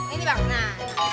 ini bang nah